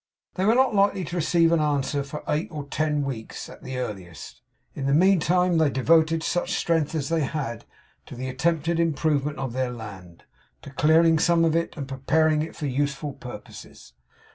They were not likely to receive an answer for eight or ten weeks at the earliest. In the meantime they devoted such strength as they had to the attempted improvement of their land; to clearing some of it, and preparing it for useful purposes.